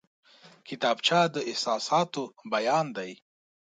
کتابچه د احساساتو بیان دی